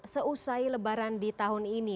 seusai lebaran di tahun ini